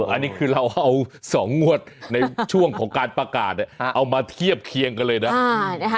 อันนี้คือเราเอา๒งวดในช่วงของการประกาศเอามาเทียบเคียงกันเลยนะ